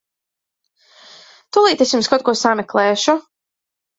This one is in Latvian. Tūlīt es jums kaut ko sameklēšu.